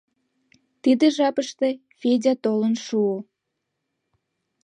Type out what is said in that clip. тиде жапыште Федя толын шуо.